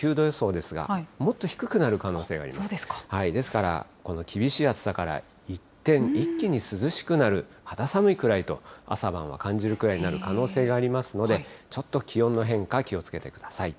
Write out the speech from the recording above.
ですから、この厳しい暑さから一転、一気に涼しくなる、肌寒いくらいと朝晩は感じるくらいになる可能性がありますので、ちょっと気温の変化、気をつけてください。